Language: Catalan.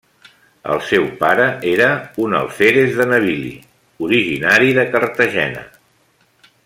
El seu pare era un alferes de navili originari de Cartagena.